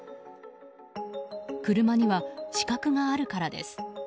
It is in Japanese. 車には死角があるからです。